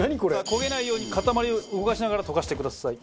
焦げないように塊を動かしながら溶かしてください。